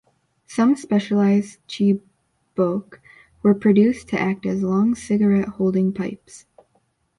Some specialized chibouk were produced to act as long, cigarette-holding pipes.